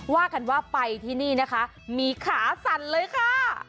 ว่ากันว่าไปที่นี่นะคะมีขาสั่นเลยค่ะ